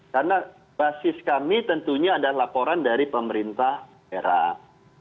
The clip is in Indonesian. karena basis kami tentunya adalah laporan dari pemerintah daerah